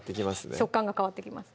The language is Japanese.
食感が変わってきます